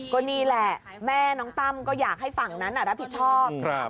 ก็นี่แหละแม่น้องตั้มก็อยากให้ฝั่งนั้นรับผิดชอบ